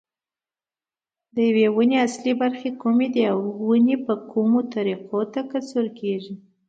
د یوې ونې اصلي برخې کومې دي او ونې په کومو طریقو تکثیر کېږي.